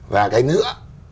và cái nữa